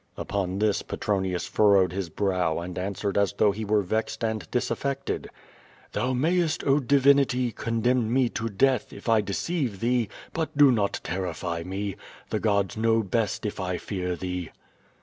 Upon this Petronius furrowed his brow, and answered as though he were vexed and disaffected. "Thou mayest, oh, divinity, condemn me to death, if I de ceive thee, but do not terrify me. The gods know best if I fear thee."